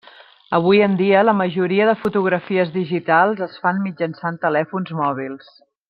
Avui en dia la majoria de fotografies digitals es fan mitjançant telèfons mòbils.